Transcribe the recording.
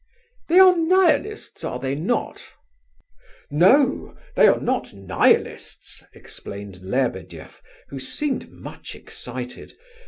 "They are Nihilists, are they not?" "No, they are not Nihilists," explained Lebedeff, who seemed much excited.